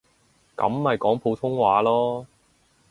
噉咪講普通話囉